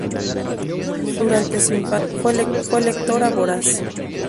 Durante su infancia, fue lectora voraz.